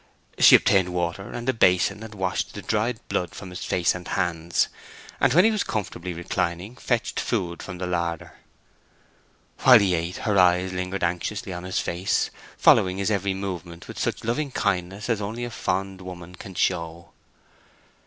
She obtained water and a basin, and washed the dried blood from his face and hands; and when he was comfortably reclining, fetched food from the larder. While he ate her eyes lingered anxiously on his face, following its every movement with such loving kindness as only a fond woman can show.